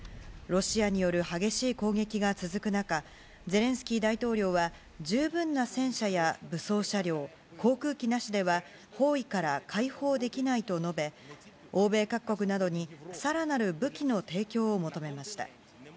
ロシアによる激しい攻撃が続く中ゼレンスキー大統領は十分な戦車や輸送車両航空機なしでは包囲からは解放できないと述べ欧米各国などに更なる武器の提供を求めました。